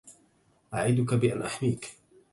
أعدك بأن أحميك.